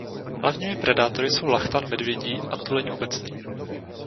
Hlavními predátory jsou lachtan medvědí a tuleň obecný.